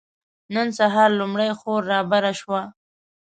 نن سهار لومړۍ خور رابره شوه.